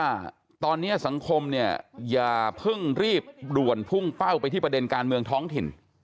ว่าตอนนี้สังคมเนี่ยอย่าเพิ่งรีบด่วนพุ่งเป้าไปที่ประเด็นการเมืองท้องถิ่น